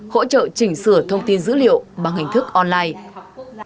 hỗ trợ chỉnh sửa thông tin dữ liệu bằng hình thức online